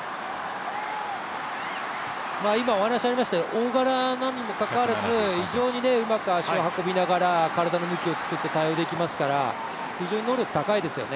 大柄にもかかわらず、非常にうまく足を運びながら体の向きを作って対応できますから非常に能力高いですよね。